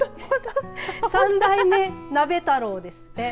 三代目鍋太郎ですって。